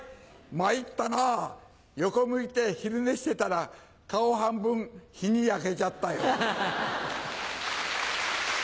参ったな横向いて昼寝してたら顔半分日に焼けちゃったよ。